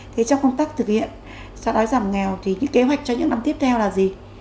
thế trong công tác thực hiện xóa đói giảm nghèo thì những kế hoạch cho những năm tiếp theo là gì